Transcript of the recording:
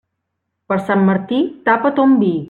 Per Sant Martí, tapa ton vi.